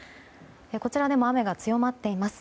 こちらでも雨が強まっています。